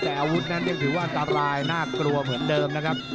แต่อาวุธนั้นยังถือว่าอันตรายน่ากลัวเหมือนเดิมนะครับ